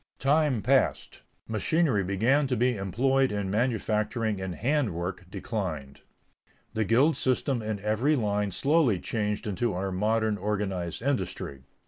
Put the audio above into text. Time passed; machinery began to be employed in manufacturing and hand work declined. The guild system in every line slowly changed into our modern organized industry.